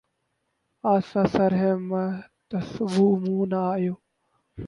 آشفتہ سر ہیں محتسبو منہ نہ آئیو